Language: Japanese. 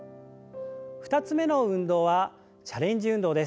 ２つ目の運動はチャレンジ運動です。